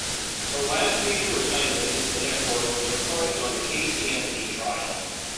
Her last major assignment with the network was reporting on the Casey Anthony trial.